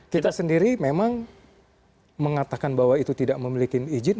kita sendiri memang mengatakan bahwa itu tidak memiliki izin